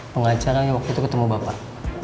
pengacaranya waktu itu ketemu bapak